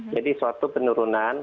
jadi suatu penurunan